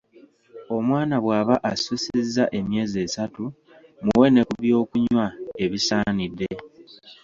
Omwana bw'aba asussizza emyezi esatu , muwe ne kubyokunywa ebisaanidde.